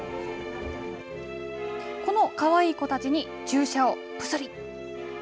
このかわいい子たちに注射をぷすり。